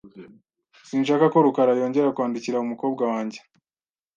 Sinshaka ko rukara yongera kwandikira umukobwa wanjye .